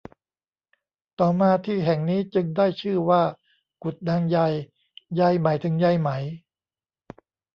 ต่อมาที่แห่งนี้จึงได้ชื่อว่ากุดนางใย ใยหมายถึงใยไหม